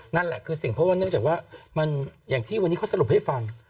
นั่นแหละคือสิ่งเพราะว่าเนื่องจากว่ามันอย่างที่วันนี้เขาสรุปให้ฟัง